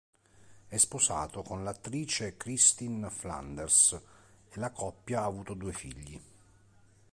È sposato con l'attrice Kristin Flanders e la coppia ha avuto due figli.